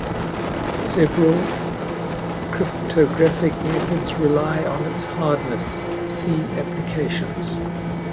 Several cryptographic methods rely on its hardness, see Applications.